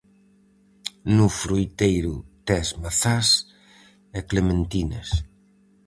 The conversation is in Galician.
No froiteiro tes mazás e clementinas.